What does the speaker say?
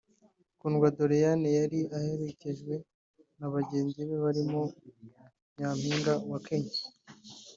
Kundwa Doriane yari aherekejwe na bagenzi be barimo Nyampinga wa Kenya